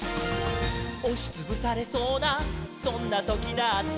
「おしつぶされそうなそんなときだって」